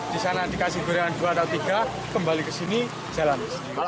disana dikasih gorengan dua atau tiga kembali kesini jalan